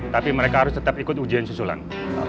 tapi mereka harus tetap ikut ujian susulan